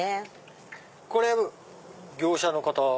これ業者の方。